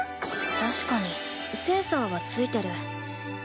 確かにセンサーは付いてる。